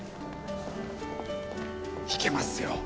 ・いけますよ。